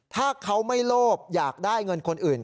ถ้าเขาไม่โลภอยากได้เงินคนอื่น